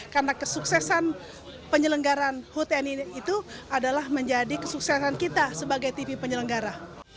karena kesuksesan penyelenggaran hutn ini itu adalah menjadi kesuksesan kita sebagai tv penyelenggara